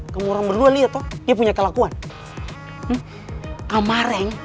kamu berdua liat oh dia punya kelakuan